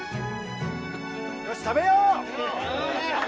よし、食べよう！